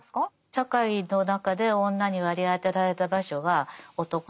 社会の中で女に割り当てられた場所は男の隣。